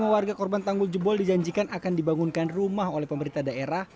lima warga korban tanggul jebol dijanjikan akan dibangunkan rumah oleh pemerintah daerah